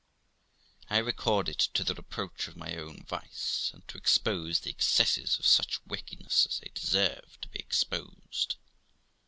I record it to the reproach of my own vice, and to expose the excesses of such wickedness as they deserve to be exposed.